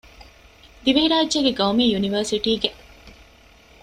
ދިވެހިރާއްޖޭގެ ޤައުމީ ޔުނިވަރސިޓީގެ